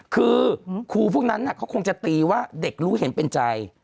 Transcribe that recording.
คือครูพวกนั้นเขาคงจะตีว่าเด็กรู้เห็นเป็นใจ